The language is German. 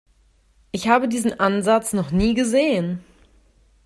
Ich habe diesen Ansatz noch nie gesehen.